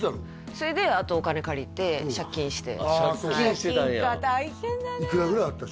それであとお金借りて借金して借金してたんや借金か大変だねいくらぐらいあった？